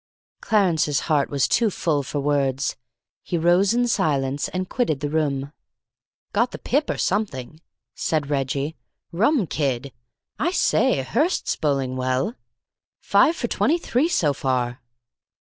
Clarence's heart was too full for words. He rose in silence, and quitted the room. "Got the pip or something!" said Reggie. "Rum kid! I say, Hirst's bowling well! Five for twenty three so far!"